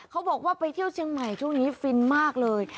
เขาบอกว่าไปเที่ยวเชียงใหม่ช่วงนี้ฟินมากเลย